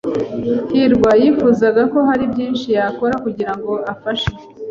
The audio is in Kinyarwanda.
hirwa yifuzaga ko hari byinshi yakora kugirango afashe.